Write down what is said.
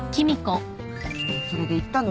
それで言ったの？